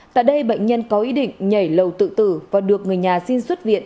tại đây bệnh nhân có ý định nhảy lầu tự tử và được người nhà xin xuất viện